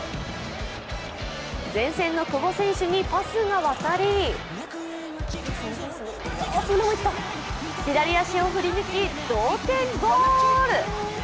前線の久保選手にパスが渡り、左足を振り抜き同点ゴール！